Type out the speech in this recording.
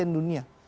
masih di dunia